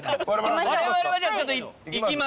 われわれはじゃあちょっと行きます。